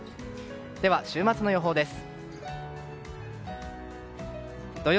では、週末の予報です。